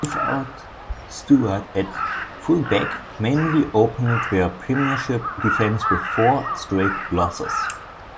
Without Stewart at fullback, Manly opened their premiership defense with four straight losses.